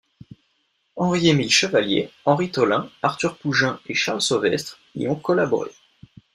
Henri-Émile Chevalier, Henri Tolain, Arthur Pougin et Charles Sauvestre y ont collaboré.